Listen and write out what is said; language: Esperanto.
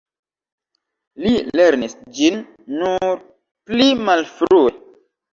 Li lernis ĝin nur pli malfrue.